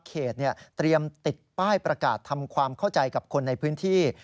เขตเตรียมติดป้ายประกาศทำความเข้าใจกับคนในพื้นที่